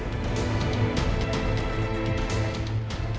aku mau ke rumah